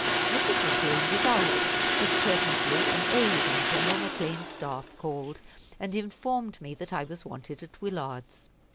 Mrs. McClean was out, but presently an aide on General McClean's staff called, and informed me that I was wanted at Willard's.